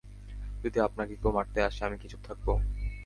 যদি আপনাকে কেউ মারতে আসে আমি কি চুপ থাকবো?